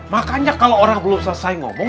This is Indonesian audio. makanya kalau orang belum selesai ngomong